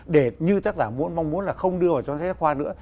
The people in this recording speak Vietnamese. để như tác giả mong muốn là không đưa vào trong sách khoa nữa